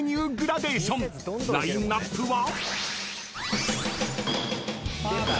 ［ラインアップは］